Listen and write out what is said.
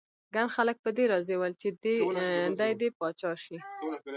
ګڼ خلک په دې راضي ول چې دی دې پاچا شي.